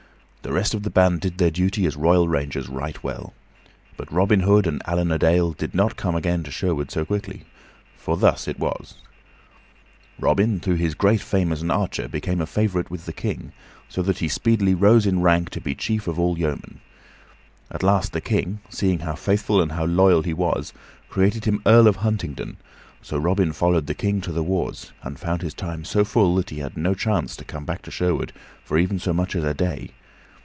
The rest of the band did their duty as royal rangers right well. But Robin Hood and Allan a Dale did not come again to Sherwood so quickly, for thus it was: Robin, through his great fame as an archer, became a favorite with the King, so that he speedily rose in rank to be the chief of all the yeomen. At last the King, seeing how faithful and how loyal he was, created him Earl of Huntingdon; so Robin followed the King to the wars, and found his time so full that he had no chance to come back to Sherwood for even so much as a day.